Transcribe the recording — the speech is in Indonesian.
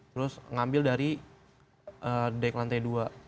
terus ngambil dari dek lantai dua